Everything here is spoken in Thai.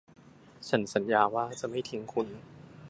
ฉันสัญญาว่าจะไม่ทิ้งคุณ